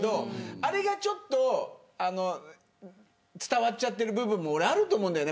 あれがちょっと伝わっちゃっている部分もあると思うんだよね。